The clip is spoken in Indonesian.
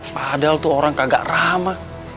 padahal tuh orang kagak ramah